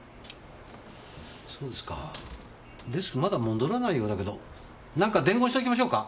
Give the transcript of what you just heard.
そうですかデスクまだ戻らないようだけど何か伝言しときましょうか？